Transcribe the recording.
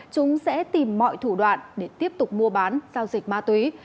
chúng sẽ tìm mọi thủ đoạn để tiếp tục mua bán giao dịch ma túy